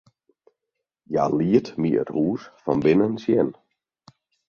Hja liet my it hûs fan binnen sjen.